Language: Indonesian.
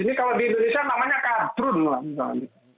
ini kalau di indonesia namanya kadrun lah misalnya